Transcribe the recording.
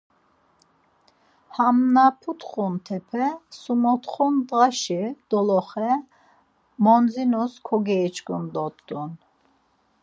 Ham na putxun tepe, sumotxo ndğaşi doloxe mondzinus kogeiçkinu dort̆un.